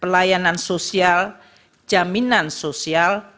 pengelolaan sosial juga merupakan